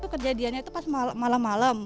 kejadiannya itu pas malam malam